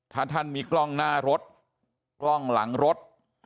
ถ้าท่านมีกล้องหน้ารถกล้องหลังรถ